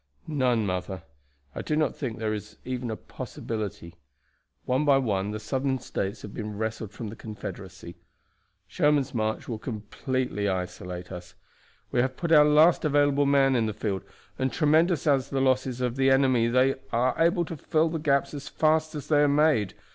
"None, mother; I do not think there is even a possibility. One by one the Southern States have been wrested from the Confederacy. Sherman's march will completely isolate us. We have put our last available man in the field, and tremendous as are the losses of the enemy they are able to fill up the gaps as fast as they are made.